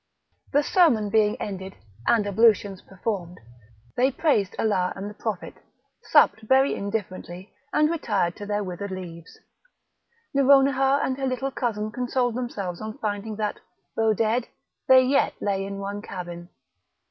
The sermon being ended, and ablutions performed, they praised Allah and the Prophet, supped very indifferently, and retired to their withered leaves. Nouronihar and her little cousin consoled themselves on finding that, though dead, they yet lay in one cabin.